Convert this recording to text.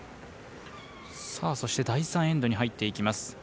第３エンドに入っていきます。